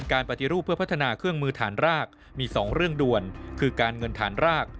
คือการเงินฐานราก